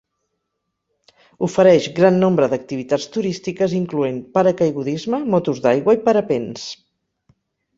Ofereix gran nombre d'activitats turístiques incloent paracaigudisme, motos d'aigua i parapents.